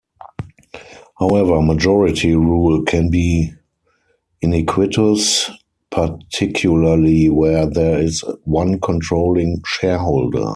However, majority rule can be iniquitous, particularly where there is one controlling shareholder.